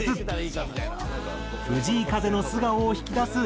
藤井風の素顔を引き出す演出。